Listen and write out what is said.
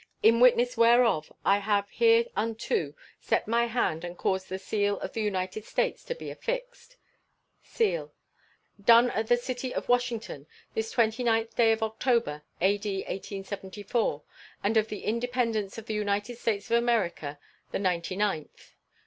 In witness whereof I have hereunto set my hand and caused the seal of the United States to be affixed. [SEAL.] Done at the city of Washington, this 29th day of October, A.D. 1874, and of the Independence of the United States of America the ninety ninth.